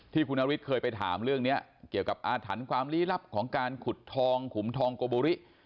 ที่คุณนฤทธิเคยไปถามเรื่องนี้เกี่ยวกับอาถรรพ์ความลี้ลับของการขุดทองขุมทองโกบุริ